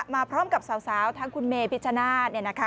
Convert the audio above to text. มาพร้อมกับสาวทั้งคุณเมย์พิชชนะนะค่ะ